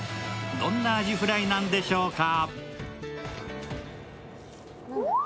どんなアジフライなんでしょうか？